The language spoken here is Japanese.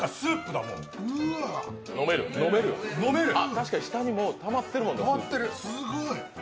確かに下にたまってるもんね。